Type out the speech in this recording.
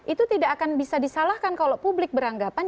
itu tidak akan bisa disalahkan kalau publik beranggapan